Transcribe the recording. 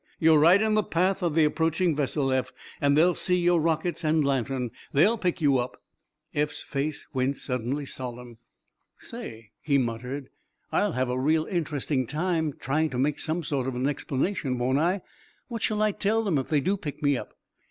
"You're right in the path of the approaching vessel, Eph, and they'll see your rockets and lantern. They'll pick you up." Eph's face went suddenly solemn. "Say," he muttered, "I'll have a real interesting time trying to make some sort of an explanation, won't I? What shall I tell them if they do pick me up?"